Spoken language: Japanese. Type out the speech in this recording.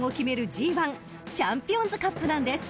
ＧⅠチャンピオンズカップなんです］